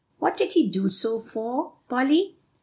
"What did he do so for, Polly?"